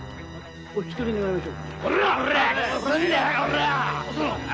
お引き取り願いましょう。